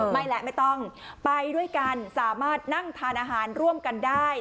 ไม่แล้วไม่ต้องไปด้วยกันสามารถนั่งทานอาหารร่วมกันได้